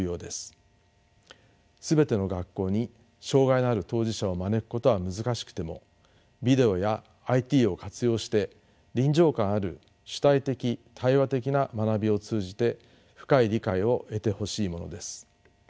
全ての学校に障害のある当事者を招くことは難しくてもビデオやＩＴを活用して臨場感ある主体的対話的な学びを通じて深い理解を得てほしいものです。